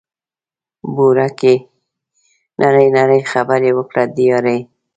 بوره ګي نري نري خبري وکړه د یاري